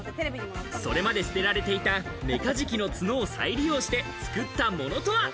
それまで捨てられていたメカジキのツノを再利用して作ったものとは？